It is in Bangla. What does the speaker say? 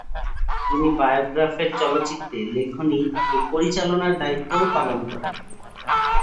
তিনি বায়োগ্রাফের চলচ্চিত্রে লেখনী ও পরিচালনার দায়িত্বও পালন করেন।